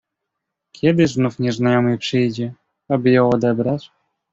"Kiedy znów nieznajomy przyjdzie, aby ją odebrać?"